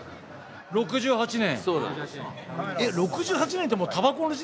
６８年。